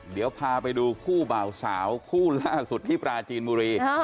เดี๋ยวพาไปดูคู่บ่าวสาวคู่ล่าสุดที่ปราจีนบุรี